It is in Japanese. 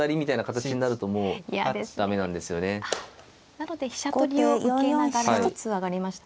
なので飛車取りを受けながら１つ上がりました。